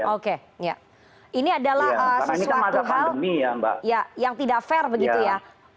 oke ini adalah sesuatu hal yang tidak fair begitu ya